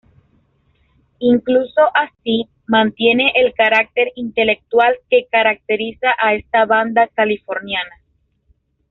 Incluso así, mantiene el carácter intelectual que caracteriza a esta banda californiana.